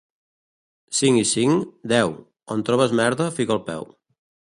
—Cinc i cinc? —Deu. —On trobes merda fica el peu.